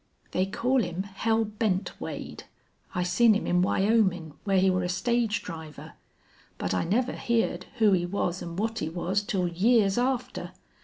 "They call him Hell Bent Wade. I seen him in Wyomin', whar he were a stage driver. But I never heerd who he was an' what he was till years after.